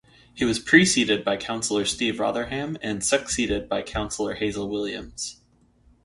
He was preceded by Councillor Steve Rotherham and succeeded by Councillor Hazel Williams.